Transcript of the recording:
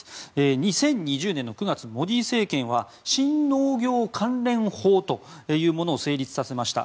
２０２０年９月、モディ政権は新農業関連法というものを成立させました。